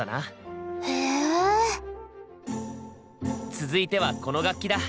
続いてはこの楽器だ。